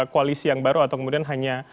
koalisi yang baru atau kemudian hanya